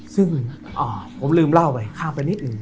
ซึ่งผมลืมเล่าไปข้ามไปนิดหนึ่ง